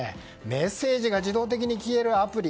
メッセージが自動的に消えるアプリ